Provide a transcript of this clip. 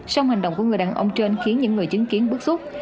song hành động của người đàn ông trên khiến những người chứng kiến bức xúc